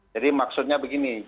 jadi maksudnya begini